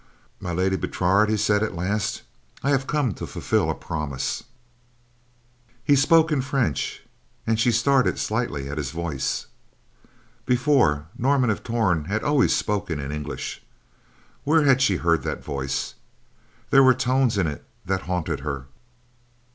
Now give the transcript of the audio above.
"My Lady Bertrade," he said at last, "I have come to fulfill a promise." He spoke in French, and she started slightly at his voice. Before, Norman of Torn had always spoken in English. Where had she heard that voice! There were tones in it that haunted her.